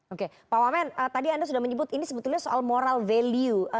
oke pak wamen tadi anda sudah menyebut ini sebetulnya soal moral value